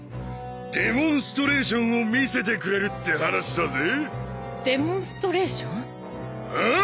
デモンストレーションを見せてくれるって話だぜデモンストレーション？